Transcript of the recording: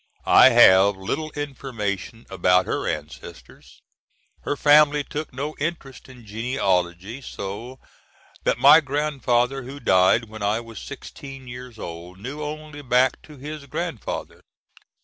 I have little information about her ancestors. Her family took no interest in genealogy, so that my grandfather, who died when I was sixteen years old, knew only back to his grandfather.